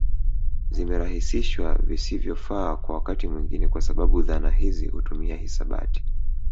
Zimerahisishwa visivyofaaa kwa wakati mwingine kwa sababu dhana hizi hutumia hisabati